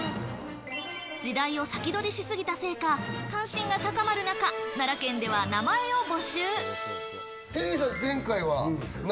時代を先取りしすぎたせいか、関心が高まる中、奈良県では名前を募集。